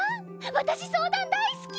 私相談大好き！